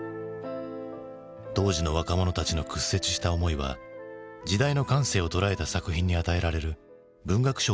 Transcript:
当時の若者たちの屈折した思いは時代の感性を捉えた作品に与えられる文学賞にもかいま見える。